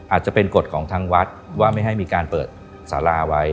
อาจจะเป็นกฎของทางวัดว่าไม่ให้มีการเปิดสาราไว้